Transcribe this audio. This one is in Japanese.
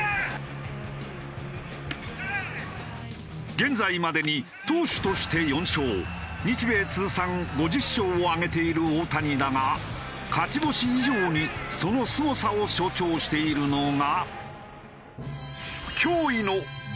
現在までに投手として４勝日米通算５０勝を挙げている大谷だが勝ち星以上にそのすごさを象徴しているのが。